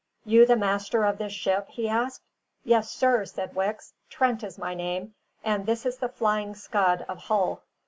"You the master of this ship?" he asked. "Yes, sir," said Wicks. "Trent is my name, and this is the Flying Scud of Hull."